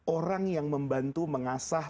orang yang membantu mengasah